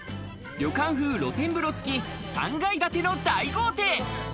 旅館風露天風呂付き、３階建ての大豪邸。